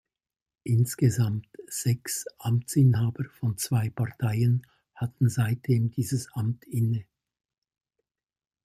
Insgesamt sechs Amtsinhaber von zwei Parteien hatten seitdem dieses Amt inne.